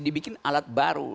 dibikin alat baru